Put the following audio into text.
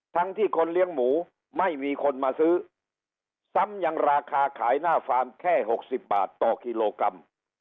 ทั้งที่คนเลี้ยงหมูไม่มีคนมาซื้อซ้ำยังราคาขายหน้าฟาร์มแค่๖๐บาทต่อกิโลกรัม